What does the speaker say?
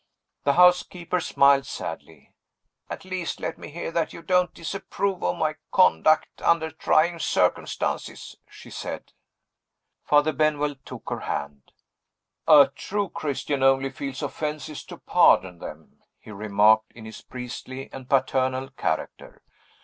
The housekeeper smiled sadly. "At least let me hear that you don't disapprove of my conduct under trying circumstances," she said. Father Benwell took her hand. "A true Christian only feels offenses to pardon them," he remarked, in his priestly and paternal character.